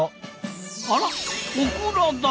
あらオクラだ！